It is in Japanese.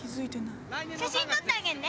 写真撮ってあげるね！